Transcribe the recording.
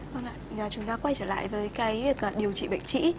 vâng ạ chúng ta quay trở lại với cái việc điều trị bệnh trĩ